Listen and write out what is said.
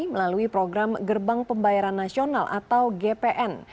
melalui program gerbang pembayaran nasional atau gpn